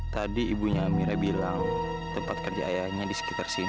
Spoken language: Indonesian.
tadi ibunya mira bilang tempat kerja ayahnya di sekitar sini